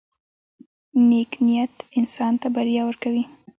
• نیک نیت انسان ته بریا ورکوي.